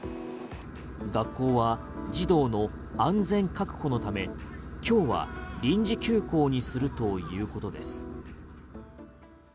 学校は児童の安全確保のため今日は臨時休校にするということです。